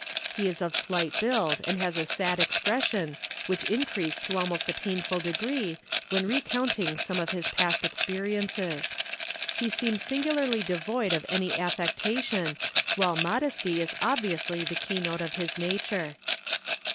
He is of slight build and has a sad expression, which increased to almost a painful degree when recounting some of his past experiences. He seems singularly devoid of any affectation, while modesty is obviously the keynote of his nature.